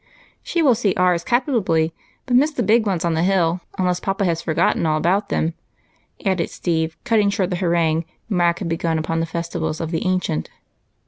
" She will see ours 'apitally, but miss the big ones on the hill, unless papa has forgotten all about them," added Steve, cutting short the harangue Mac had begun upon the festivuls of the ancients.